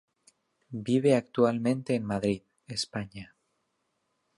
Vive actualmente en Madrid, España.